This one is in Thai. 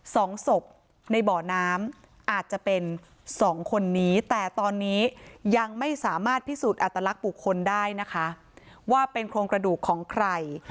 สองศพในบ่อน้ำอาจจะเป็นสองคนนี้แต่ตอนนี้ยังไม่สามารถพิสูจน์อัตลักษณ์บุคคลได้นะคะว่าเป็นโครงกระดูกของใคร